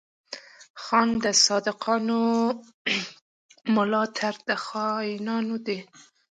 خنډ د صادقانو، ملا تړ د خاينانو دی